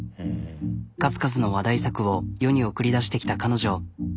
数々の話題作を世に送り出してきた彼女。